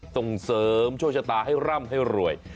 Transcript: ส่งเสริมโชคชะตาให้ร่ำให้รวย